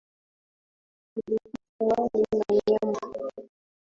Tulipika wali na nyama.